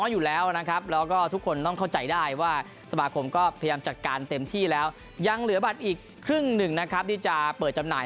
ยังเหลือบัตรอีกครึ่งหนึ่งที่จะเปิดจำหน่าย